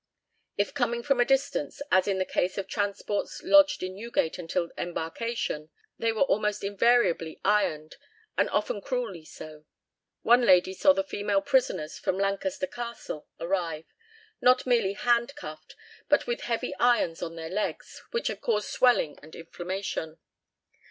If coming from a distance, as in the case of transports lodged in Newgate until embarkation, they were almost invariably ironed, and often cruelly so. One lady saw the female prisoners from Lancaster Castle arrive, not merely handcuffed, but with heavy irons on their legs, which had caused swelling and inflammation.